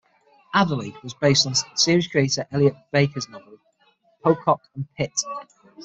"Adderly" was based on series creator Elliott Baker's novel, "Pocock and Pitt".